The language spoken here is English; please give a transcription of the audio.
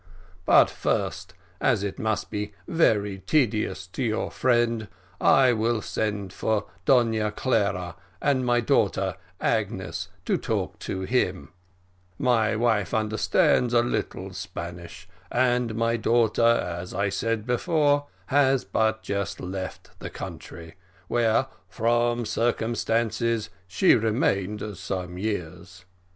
But first, as it must be very tedious to your friend, I will send for Donna Clara and my daughter Agnes to talk to him; my wife understands a little Spanish, and my daughter, as I said before, has but just left the country, where, from circumstances, she remained some years."